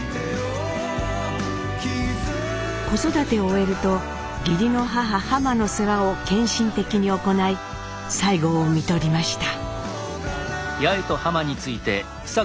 子育てを終えると義理の母ハマの世話を献身的に行い最期をみとりました。